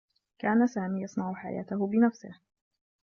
كان سامي يصنع حياته بنفسه.